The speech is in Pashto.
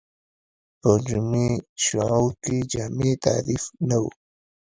په جمعي شعور کې جامع تعریف نه و